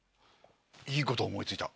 いいこと思い付いた！